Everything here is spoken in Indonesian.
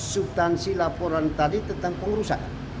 subtansi laporan tadi tentang pengurusan